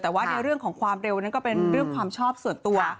แต่ว่าในเรื่องของความเร็วนั้นก็เป็นเรื่องความชอบส่วนตัว